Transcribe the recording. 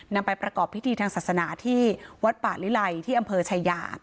นำไปประกอบพิธีทางศาสนาที่วัดป่าลิลัยที่อำเภอชายา